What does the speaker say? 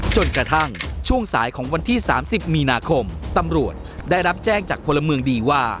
จนกระทั่งช่วงสายของวันที่๓๐มีนาคมตำรวจได้รับแจ้งจากพลเมืองดีว่า